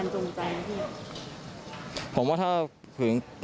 คิดว่าครั้งนี้เป็นการจงใจที่ไหน